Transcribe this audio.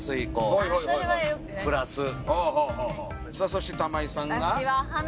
そして玉井さんが。